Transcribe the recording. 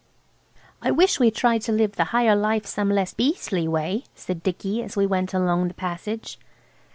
"I wish we'd tried to live the higher life some less beastly way," said Dicky as we went along the passage.